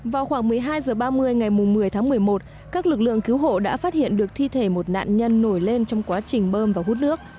vào khoảng một mươi hai h ba mươi ngày một mươi tháng một mươi một các lực lượng cứu hộ đã phát hiện được thi thể một nạn nhân nổi lên trong quá trình bơm và hút nước